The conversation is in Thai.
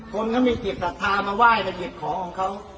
คนเขามีกิจศรัทธามาไหว้แต่กิจของเขา